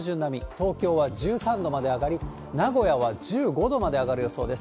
東京は１３度まで上がり、名古屋は１５度まで上がる予想です。